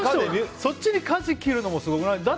そっちにかじ切るのもすごくない？